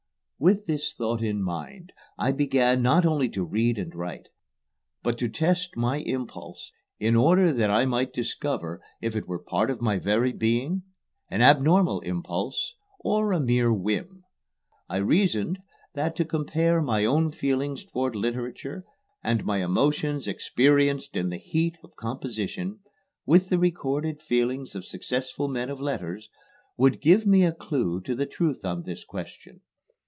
With this thought in mind I began not only to read and write, but to test my impulse in order that I might discover if it were a part of my very being, an abnormal impulse, or a mere whim. I reasoned that to compare my own feelings toward literature, and my emotions experienced in the heat of composition, with the recorded feelings of successful men of letters, would give me a clue to the truth on this question.